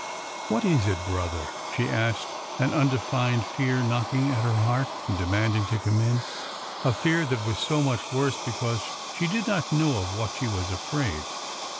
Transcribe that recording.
" What is it, brother ?" she asked, an undefined fear knocking at her heart and demanding to come in — a fear that was so much worse because she did not know of what she was afraid.